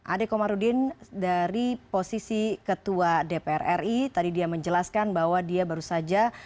ade komarudin dari posisi ketua dpr ri tadi dia menjelaskan bahwa dia baru saja